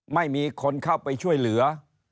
ไม่มีคนเข้าไปช่วยเหลือ